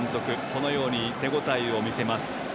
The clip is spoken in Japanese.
このように手応えを見せます。